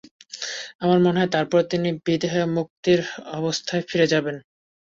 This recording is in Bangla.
আমার মনে হয়, তারপর তিনি বিদেহ-মুক্তির অবস্থায় ফিরে যাবেন।